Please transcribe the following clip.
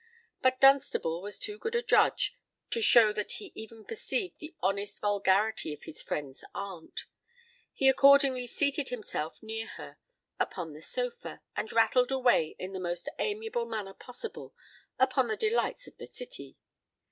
But Dunstable was too good a judge to show that he even perceived the honest vulgarity of his friend's aunt: he accordingly seated himself near her upon the sofa, and rattled away, in the most amiable manner possible, upon the delights of the City.